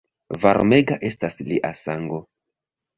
Varmega estas lia sango!